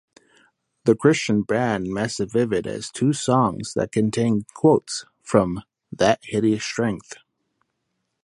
The Christian band Massivivid has two songs that contain quotes from "That Hideous Strength".